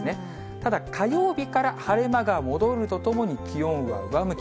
ただ、火曜日から晴れ間が戻るとともに、気温は上向き。